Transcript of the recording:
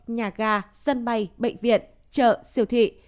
nhà ga sân bay bệnh viện chợ siêu thị